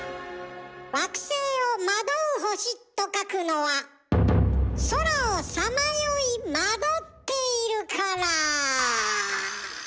惑星を「惑う星」と書くのは空をさまよい惑っているから。